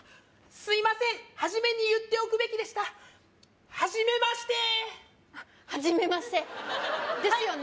すいません初めに言っておくべきでしたはじめましてはじめましてですよね？